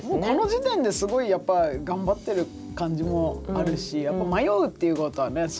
もうこの時点ですごいやっぱ頑張ってる感じもあるしやっぱ迷うっていうことはね